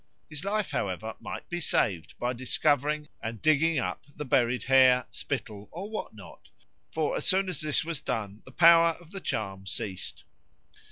His life, however, might be saved by discovering and digging up the buried hair, spittle, or what not; for as soon as this was done the power of the charm ceased.